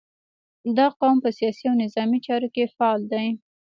• دا قوم په سیاسي او نظامي چارو کې فعال دی.